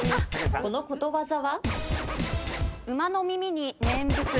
このことわざは？